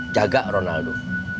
jangan lupa jaga ronaldo